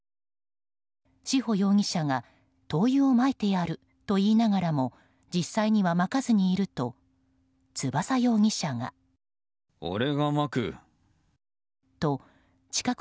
志保容疑者が灯油をまいてやると言いながらも実際には、まかずにいると俺がまく。